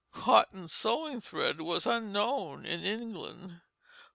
Cotton sewing thread was unknown in England.